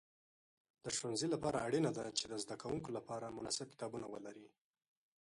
د ښوونځي لپاره اړینه ده چې د زده کوونکو لپاره مناسب کتابونه ولري.